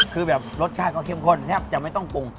คือแบบรสชาติก็เข้มข้นแทบจะไม่ต้องปรุง